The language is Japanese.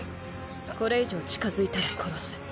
これ以上近づいたら殺す。